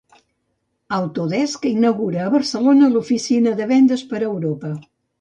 Autodesk inaugura a Barcelona l'oficina de vendes per a Europa.